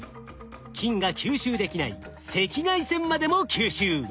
金が吸収できない赤外線までも吸収。